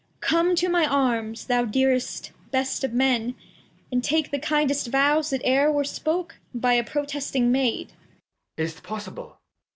j ^,,, Cord. Come to my Arms, thou dearest, best of Menu |.', And take the kindest Vows that e'er were spoke / i ""^^ By a protesting Maid. J Edg. Is't possible